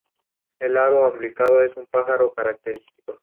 Continuó su formación pianística en Costa Rica con Miguel Angel Quesada.